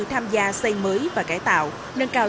tham gia xây mới và cải tạo